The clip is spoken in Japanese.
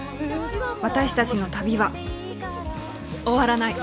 私たちの旅は終わらない。